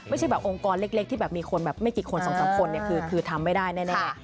ไม่ใช่แบบองค์กรเล็กที่แบบมีคนแบบไม่กี่คน๒๓คนคือทำไม่ได้แน่